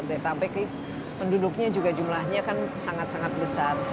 dari tabe penduduknya juga jumlahnya kan sangat sangat besar